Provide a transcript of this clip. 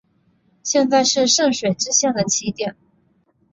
现在是圣水支线的起点。